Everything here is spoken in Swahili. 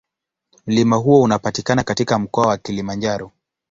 Mlima huo unapatikana katika Mkoa wa Kilimanjaro.